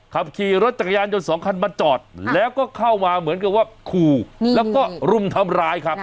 ขับขี่รถจักรยานยนต์สองคันมาจอดแล้วก็เข้ามาเหมือนกับว่าขู่แล้วก็รุมทำร้ายครับ